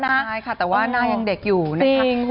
น่ายค่ะแต่ว่าน่ายังเด็กอยู่นะครับ